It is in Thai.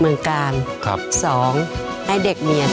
เมืองกาลครับสองให้เด็กเมีย